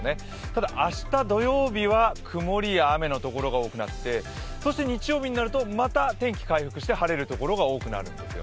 ただ、明日土曜日は曇りのところがが多くなってそして日曜日になるとまた天気回復して晴れる所が多くなってきます。